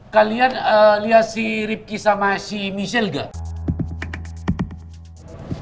kalian lihat si ripki sama si michelle gak